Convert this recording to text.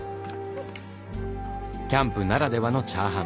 キャンプならではのチャーハン。